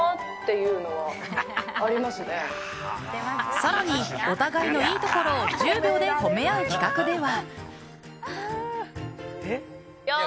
更に、お互いのいいところを１０秒で褒め合う企画では。